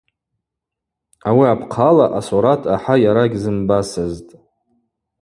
Ауи апхъала асурат ахӏа йара гьзымбасызтӏ.